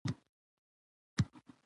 صبر د سختو ستونزو حل دی.